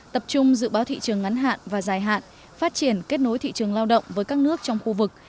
tập trung dự báo thị trường ngắn hạn và dài hạn phát triển kết nối thị trường lao động với các nước trong khu vực